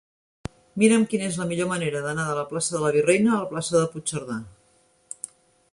Mira'm quina és la millor manera d'anar de la plaça de la Virreina a la plaça de Puigcerdà.